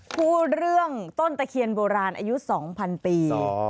พูดเรื่องต้นตะเคียนโบราณอายุ๒๐๐ปี